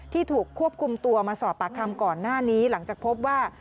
ถูกควบคุมตัวมาสอบปากคำก่อนหน้านี้หลังจากพบว่า